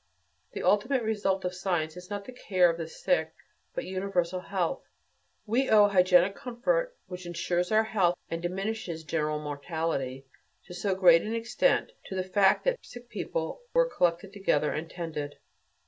The ultimate result of science is not the care of the sick but universal health. We owe the hygienic "comfort" which ensures our health, and diminishes general mortality to so great an extent, to the fact that sick people were collected together and tended.